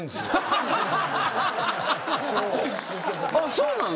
そうなの？